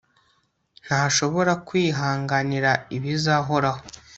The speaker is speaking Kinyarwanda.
ntashobora kwihanganira ibizahoraho